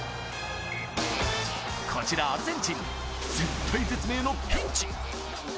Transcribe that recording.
こちらアルゼンチン、絶体絶命のピンチ。